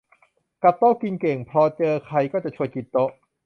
กับกินโต๊ะเก่ง พอเจอใครก็จะชวนกินโต๊ะ